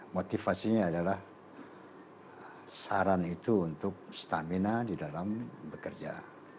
motivasinya adalah saran itu untuk stamina di dalam bekerja